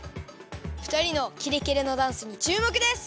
ふたりのキレキレのダンスにちゅうもくです！